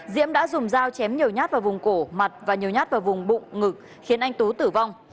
diễm đã dùng dao chém nhiều nhát vào vùng cổ mặt và nhiều nhát vào vùng bụng ngực khiến anh tú tử vong